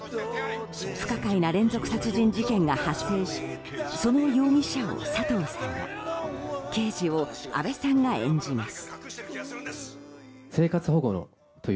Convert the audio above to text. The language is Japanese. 不可解な連続殺人事件が発生しその容疑者を佐藤さんが刑事を阿部さんが演じます。